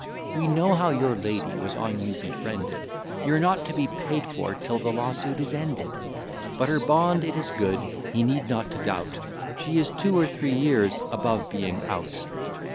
We know how your lady was on you befriended; You're not to be paid for 'till the lawsuit is ended: But her bond it is good, he need not to doubt; She is two or three years above being out.